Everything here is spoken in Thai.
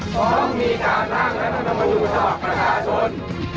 ๒ต้องมีการทางรัฐมนตร์ชาวักประชาชน